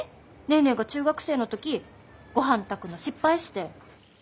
ネーネーが中学生の時ごはん炊くの失敗して。